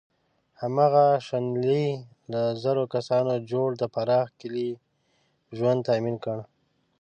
هماغه شنیلي له زرو کسانو جوړ د پراخ کلي ژوند تأمین کړ.